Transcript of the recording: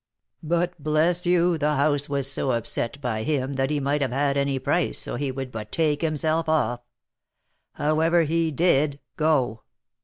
But, bless you, the house was so upset by him that he might have had any price so he would but take himself off; however, he did go.